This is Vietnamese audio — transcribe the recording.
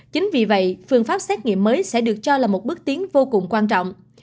chính vì vậy phương pháp xét nghiệm mới sẽ được cho là một bước tiến vô cùng quan trọng